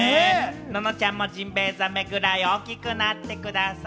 ののちゃんもジンベイザメぐらい大きくなってください。